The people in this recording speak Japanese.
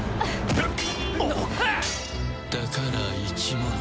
うっ！